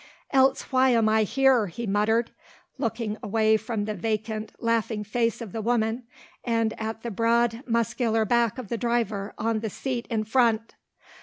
"Else why am I here?" he muttered, looking away from the vacant, laughing face of the woman and at the broad, muscular back of the driver on the seat in front.